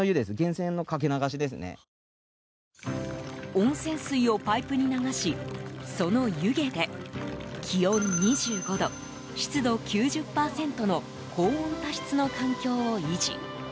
温泉水をパイプに流しその湯気で気温２５度、湿度９０％の高温多湿の環境を維持。